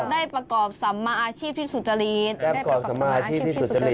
ได้ประกอบสัมมาอาชีพที่สุจริตได้ประกอบสมาอาชีพที่สุจริต